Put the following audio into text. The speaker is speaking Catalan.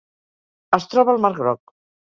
Es troba al mar Groc.